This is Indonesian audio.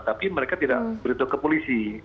tapi mereka tidak berhitung ke polisi